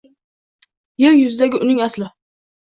Yer yuzida uning aslo